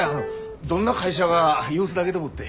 どんな会社が様子だげと思って。